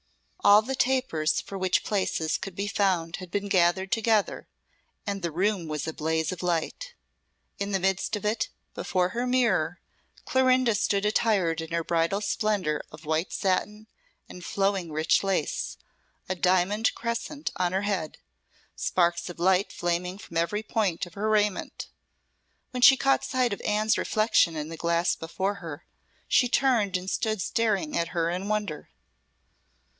All the tapers for which places could be found had been gathered together, and the room was a blaze of light. In the midst of it, before her mirror, Clorinda stood attired in her bridal splendour of white satin and flowing rich lace, a diamond crescent on her head, sparks of light flaming from every point of her raiment. When she caught sight of Anne's reflection in the glass before her, she turned and stood staring at her in wonder.